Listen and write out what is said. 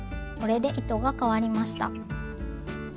これで糸がかわりました。